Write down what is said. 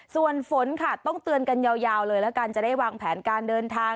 ส่วนฝนค่ะต้องเตือนกันยาวเลยแล้วกันจะได้วางแผนการเดินทาง